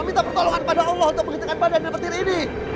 minta pertolongan pada allah untuk menghentikan badan dan petir ini